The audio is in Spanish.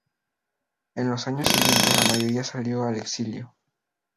En los años siguientes la mayoría salió al exilio.